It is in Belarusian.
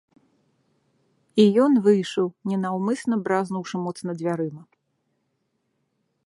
І ён выйшаў, ненаўмысна бразнуўшы моцна дзвярыма.